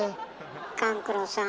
勘九郎さん